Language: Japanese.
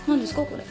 これ。